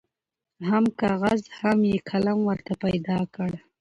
هم کاغذ هم یې قلم ورته پیدا کړ